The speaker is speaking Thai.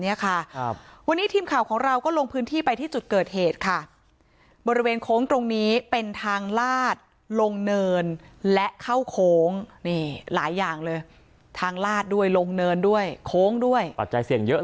อย่างเลยทางลาดด้วยลงเนินด้วยโค้งด้วยปัจจัยเสียงเยอะ